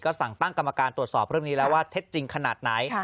สั่งตั้งกรรมการตรวจสอบเรื่องนี้แล้วว่าเท็จจริงขนาดไหน